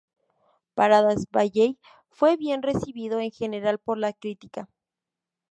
Paradise Valley fue bien recibido en general por la crítica.